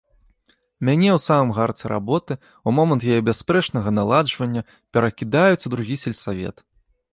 Мяне ў самым гарце работы, у момант яе бясспрэчнага наладжвання перакідаюць у другі сельсавет.